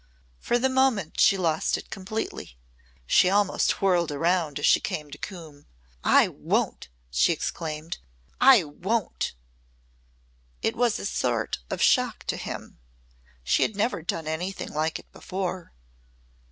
For the moment she lost it completely. She almost whirled around as she came to Coombe. "I won't," she exclaimed. "I won't!" It was a sort of shock to him. She had never done anything like it before.